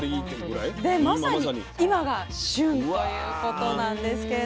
でまさに今が旬ということなんですけれども。